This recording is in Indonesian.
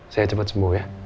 saya cepat sembuh ya